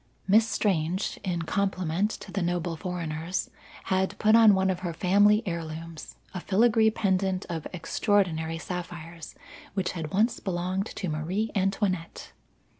Miss Strange, in compliment to the noble foreigners, had put on one of her family heirlooms a filigree pendant of extraordinary sapphires which had once belonged to Marie Antoinette.